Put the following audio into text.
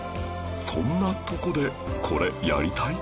そんなとこでこれやりたい？